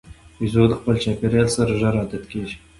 بیزو د خپل چاپېریال سره ژر عادت کېږي.